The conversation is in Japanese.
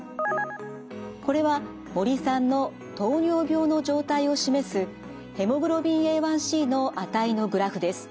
これは森さんの糖尿病の状態を示すＨｂＡ１ｃの値のグラフです。